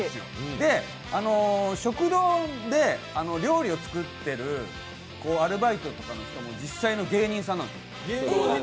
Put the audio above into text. で、食堂で料理を作ってるアルバイトとかの人も実際の芸人さんなんですよ。